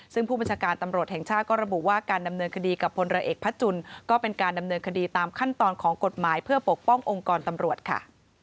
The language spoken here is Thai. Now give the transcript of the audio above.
ซึ่งผู้บัญชาการตำรวจแห่งชาติก็ระบุว่าการดำเนินคดีกับพลเรือเอกพระจุลก็เป็นการดำเนินคดีตามขั้นตอนของกฎหมายเพื่อปกป้ององค์กรตำรวจค่ะ